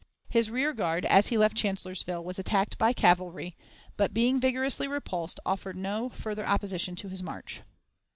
His rear guard, as he left Chancellorsville, was attacked by cavalry, but, being vigorously repulsed, offered no further opposition to his march.